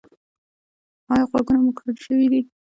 ایا غوږونه مو کڼ شوي دي؟